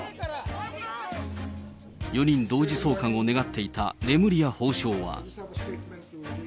４人同時送還を願っていたレムリヤ法相は。